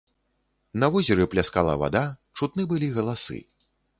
На возеры пляскала вада, чутны былі галасы.